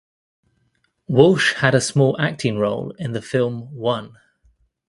Walsh had a small acting role in the film "One".